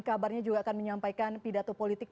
kabarnya juga akan menyampaikan pidato politik